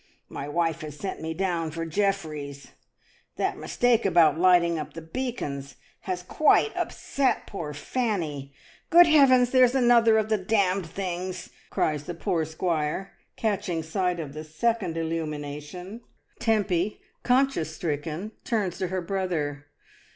My wife has sent me down for Jeffries. That mistake about lighting up the beacons has quite upset poor Fanny. Good heavens! there's another of the d things," cries the poor squire, catching sight of the second illumination. Tempy, conscience stricken, turns to her brother.